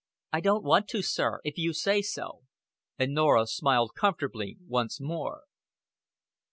"I don't want to, sir if you say so;" and Norah smiled comfortably once more.